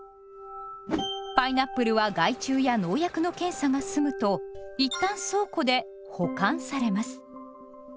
パイナップルは害虫や農薬の検査が済むと一旦倉庫で「保管」されます。